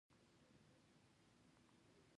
د مخ د پوستکي د وچوالي لپاره کوم ماسک وکاروم؟